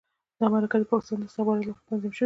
دا مرکه د پاکستان د استخباراتو لخوا تنظیم شوې وه.